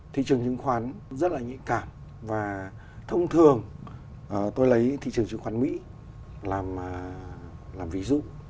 thị trường chứng khoán rất là nhị cảm và thông thường tôi lấy thị trường chứng khoán mỹ làm ví dụ